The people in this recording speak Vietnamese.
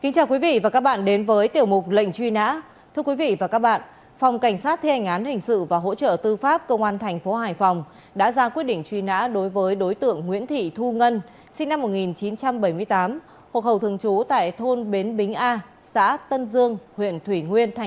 chào mừng quý vị đến với tiểu mục lệnh truy nã